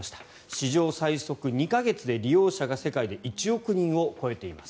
史上最速２か月で利用者が世界で１億人を超えています。